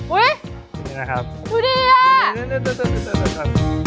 อุ๊ยดูดีอะ